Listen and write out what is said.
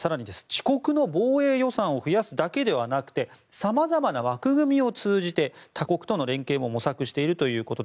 自国の防衛予算を増やすだけではなくて様々な枠組みを通じて他国との連携も模索していると。